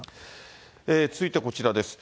続いてはこちらです。